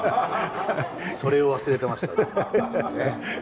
それを忘れてましたね。